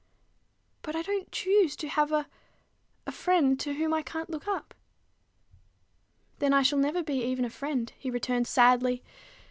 "But I don't choose to have a a friend to whom I can't look up." "Then I shall never be even a friend," he returned sadly.